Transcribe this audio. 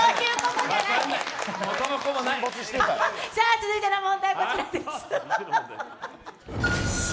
続いての問題、こちらです。